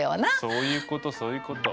そういうことそういうこと。